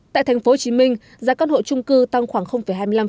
tại tp hcm giá căn hộ trung cư tăng khoảng hai mươi năm